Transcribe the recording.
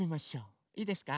いいですか？